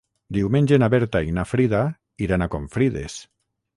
Diumenge na Berta i na Frida iran a Confrides.